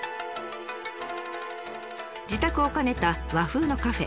自宅を兼ねた和風のカフェ。